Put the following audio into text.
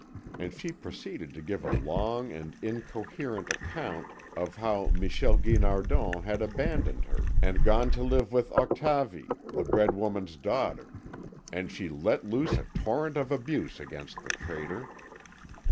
And she proceeded to give a long and incoherent account of how Michel Guinardon had abandoned her and gone to live with Octavie, the bread woman's daughter, and she let loose a torrent of abuse against the traitor.